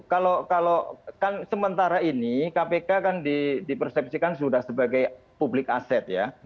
kalau kan sementara ini kpk kan dipersepsikan sudah sebagai publik asset ya